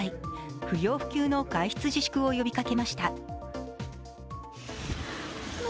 不要不急の外出自粛を呼びかけました。